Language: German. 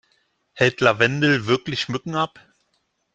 Hält Lavendel wirklich Mücken ab?